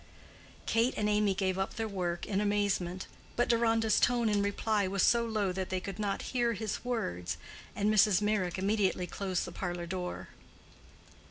Kate and Amy gave up their work in amazement. But Deronda's tone in reply was so low that they could not hear his words, and Mrs. Meyrick immediately closed the parlor door.